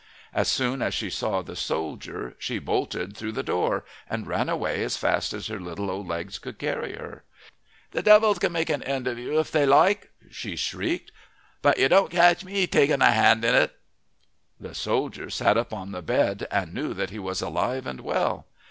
As soon as she saw the soldier she bolted through the door, and ran away as fast as her little old legs could carry her. "The devils can make an end of you if they like," she shrieked, "but you don't catch me taking a hand in it." The soldier sat up on the bed and knew that he was alive and well.